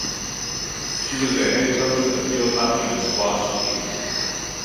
She was the head coach of the field hockey and squash teams.